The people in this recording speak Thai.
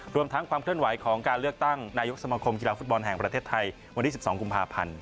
รวมทั้งความเคลื่อนไหวของการเลือกตั้งนายกสมคมกีฬาฟุตบอลแห่งประเทศไทยวันที่๑๒กุมภาพันธ์